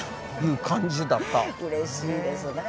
うれしいですね